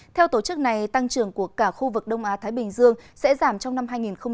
theo tổ chức này tăng trưởng của cả khu vực đông á thái bình dương sẽ giảm trong năm hai nghìn hai mươi